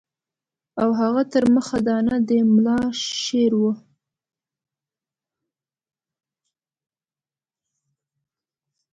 او هغه تر مخه دانه د ملا شعر وو.